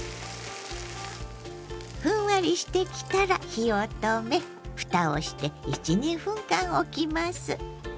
ふんわりしてきたら火を止めふたをして１２分間おきます。